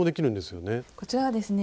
こちらはですね